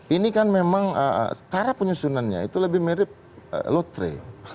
ini kan memang cara penyusunannya itu lebih mirip lotre